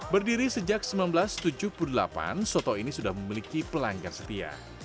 berdiri sejak seribu sembilan ratus tujuh puluh delapan soto ini sudah memiliki pelanggar setia